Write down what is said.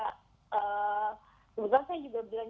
terus saya lihat trailer besar banget keluar dari marketnya